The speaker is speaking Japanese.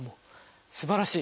すばらしい。